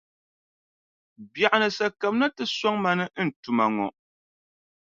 Biɛɣuni sa kamina nti sɔŋ ma ni n tuma ŋɔ.